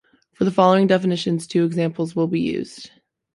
For the following definitions, two examples will be used.